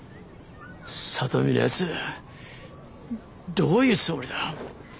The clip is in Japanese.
里美のやつどういうつもりだ。